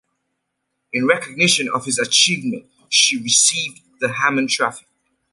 In recognition of this achievement, she received the Harmon Trophy.